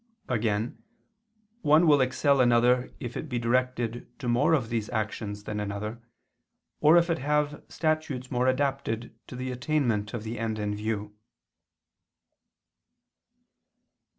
Again one will excel another if it be directed to more of these actions than another, or if it have statutes more adapted to the attainment of the end in view.